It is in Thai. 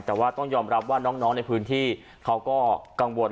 แต่ว่าต้องยอมรับว่าน้องในพื้นที่เขาก็กังวล